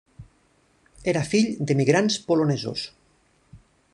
Era fill d'emigrants polonesos.